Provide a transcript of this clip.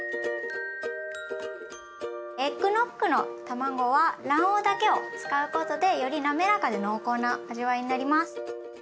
エッグノッグの卵は卵黄だけを使うことでよりなめらかで濃厚な味わいになります。